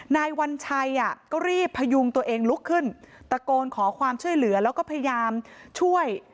นายวัญชัยก็รีบพยุงตัวเองลุกขึ้นตะโกนขอความช่วยเหลือแล้วก็พยายามช่วย